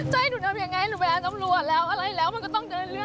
หนูมางานบ้านเนี่ยหนูก่อนอ่อนเนี่ย